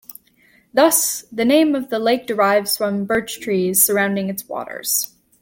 Thus, the name of the lake derives from birch trees surrounding its waters.